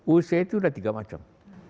usia itu sudah tiga macam